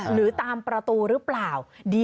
หรือตามประตูหรือเปล่า